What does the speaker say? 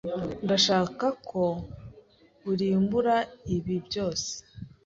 Ndashaka ko urimbura ibi byose.